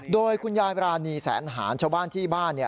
โดยคุณยายบราณีแสนหารชาวบ้านที่บ้าน